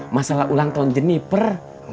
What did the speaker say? masalah ulang tahun jeniper